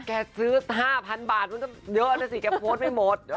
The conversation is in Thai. ซื้อ๕๐๐๐บาทมันก็เยอะนะสิแกโพสต์ไม่หมด